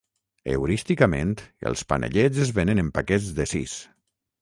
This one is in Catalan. Heurísticament, els panellets es vénen en paquets de sis.